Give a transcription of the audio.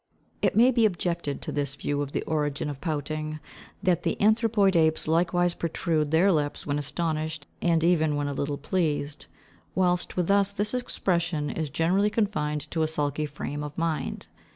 It may be objected to this view of the origin of pouting, that the anthropoid apes likewise protrude their lips when astonished and even when a little pleased; whilst with us this expression is generally confined to a sulky frame of mind.